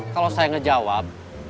kalau saya ngejawab